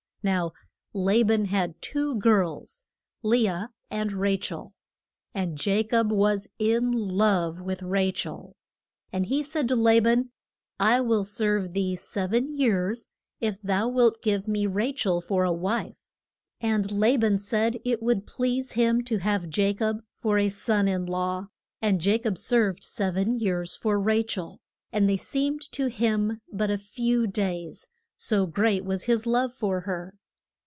Now La ban had two girls Le ah and Ra chel. And Ja cob was in love with Ra chel; and he said to La ban, I will serve thee se ven years if thou wilt give me Ra chel for a wife. And La ban said it would please him to have Ja cob for a son in law, and Ja cob served sev en years for Ra chel, and they seemed to him but a few days, so great was his love for her.